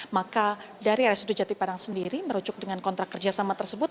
maka dari rsud jatiparang sendiri merujuk dengan kontrak kerjasama tersebut